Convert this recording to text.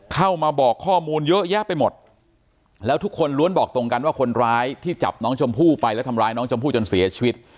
เข้ามาบอกข้อมูลเยอะแยะไปหมดแล้วทุกคนล้วนบอกตรงกันว่าคนร้ายที่จับน้องชมพู่ไปแล้วทำร้ายน้องชมพู่จนเสียชีวิต